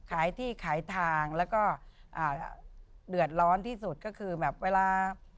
ขายที่ขายทางแล้วก็เดือดร้อนที่สุดก็คือแบบเวลา